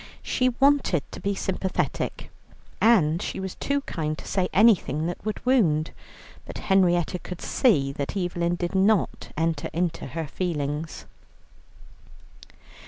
She wanted to be sympathetic, and she was too kind to say anything that would wound, but Henrietta could see that Evelyn did not enter into her feelings.